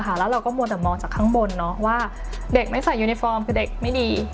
แล้วเราก็มัวแต่มองจากข้างบนว่าเด็กไม่ใส่ยูนิฟอร์มคือเด็กไม่ดี